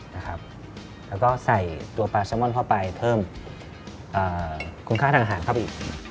แล้วก็ใส่ตัวก๋าปลาชมอนก์เข้าไปเพิ่มคุณค่าทางอาหาร